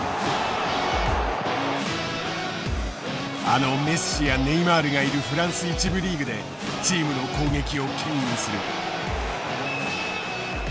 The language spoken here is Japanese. あのメッシやネイマールがいるフランス１部リーグでチームの攻撃をけん引する。